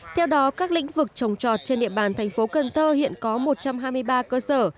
theo đó các lĩnh vực trồng trọt trên địa bàn tp cn hiện có một trăm hai mươi ba cơ sở